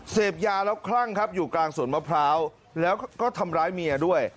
เสพยาแล้วคลั่งครับอยู่กลางสวนมะพร้าวแล้วก็ทำร้ายเมียด้วย